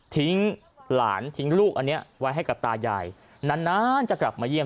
หลานทิ้งลูกอันนี้ไว้ให้กับตายายนานจะกลับมาเยี่ยม